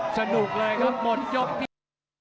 สะดุกเลยครับหมดกลุ่มที่